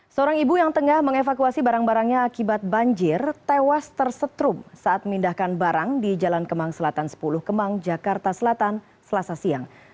seorang ibu yang tengah mengevakuasi barang barangnya akibat banjir tewas tersetrum saat memindahkan barang di jalan kemang selatan sepuluh kemang jakarta selatan selasa siang